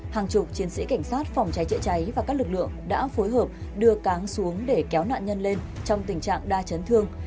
hàng chục chiến sĩ cảnh sát phòng cháy chữa cháy và các lực lượng đã phối hợp đưa cáng xuống để kéo nạn nhân lên trong tình trạng đa chấn thương